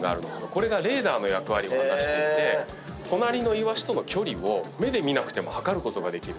これがレーダーの役割を果たしてて隣のイワシとの距離を目で見なくても測ることができる。